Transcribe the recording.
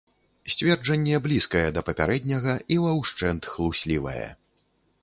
Сцверджанне блізкае да папярэдняга і ва ўшчэнт хлуслівае.